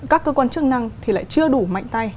các cơ quan chức năng thì lại chưa đủ mạnh tay